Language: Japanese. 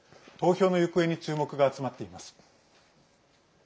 投票の行方に注目が集まっています。